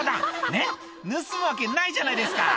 「ねっ盗むわけないじゃないですか」